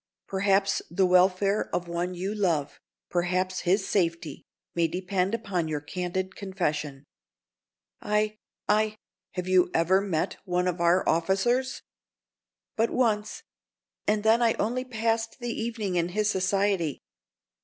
Perhaps the welfare of one you love—perhaps his safety, may depend upon your candid confession." "I—I—" "Have you ever met one of our officers?" "But once. And then I only passed the evening in his society.